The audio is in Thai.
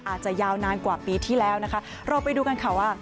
อาจจะยาวนานกว่าปีที่แล้วเราไปดูกันข่าวว่า